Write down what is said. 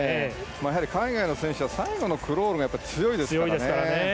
やはり、海外の選手は最後のクロールが強いですからね。